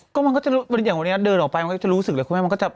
ก็มันก็จะหยั่งวันนี้เราเดินออกไปก็จะรู้สึกคุณแม่มันก็จะ